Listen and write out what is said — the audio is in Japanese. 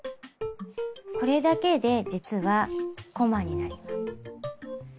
これだけで実はこまになります。